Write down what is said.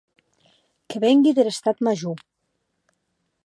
Que vengui der Estat Major.